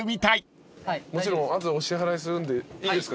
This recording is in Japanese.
もちろん後でお支払いするんでいいですか？